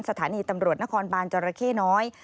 สถานีตำรวจนครบานจรเข้น้อย